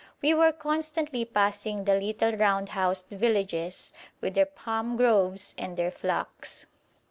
We were constantly passing the little round housed villages, with their palm groves and their flocks.